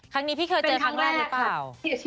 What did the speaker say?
ครั้งนี้พี่เคยเจอครั้งแรกหรือเปล่า